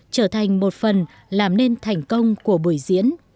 trở thành một phần làm nên thành công của buổi diễn